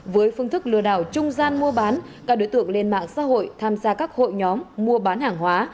với phương thức lừa đảo trung gian mua bán các đối tượng lên mạng xã hội tham gia các hội nhóm mua bán hàng hóa